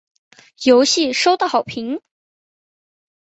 游戏收到好评。